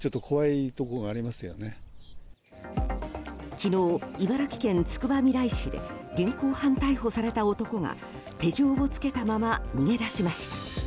昨日、茨城県つくばみらい市で現行犯逮捕された男が手錠をつけたまま逃げ出しました。